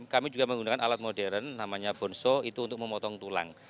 kami juga menggunakan alat modern namanya bonso itu untuk memotong tulang